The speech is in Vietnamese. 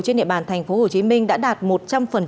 trên địa bàn tp hcm đã đạt một trăm linh